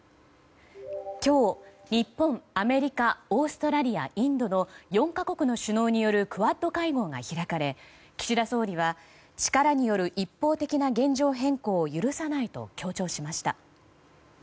今日、日本、アメリカオーストラリア、インドの４か国の首脳によるクアッド会合が開かれ岸田総理は力による一方的な現状変更を許さないと強調しました。